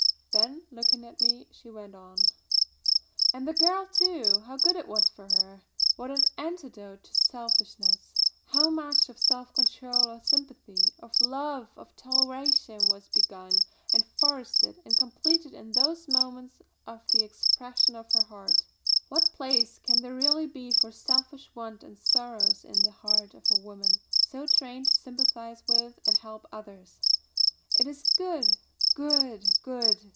Then looking at me, she went on: "And the girl, too, how good it was for her! What an antidote to selfishness! How much of self control, of sympathy, of love, of toleration was begun and fostered and completed in those moments of the expression of her heart! What place can there really be for selfish want and sorrows in the heart of a woman so trained to sympathise with and help others? It is good! good! good!